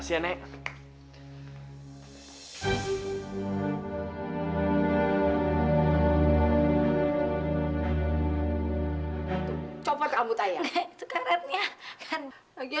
yang penting aku harus ketemu mama